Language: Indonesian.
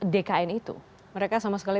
dkn itu mereka sama sekali